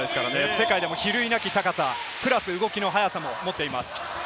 世界でも比類なき高さ、プラス動きの速さも持っています。